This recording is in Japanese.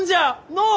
のう？